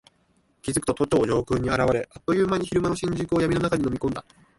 気付くと都庁上空に現れ、あっという間に昼間の新宿を闇の中に飲み込んだ。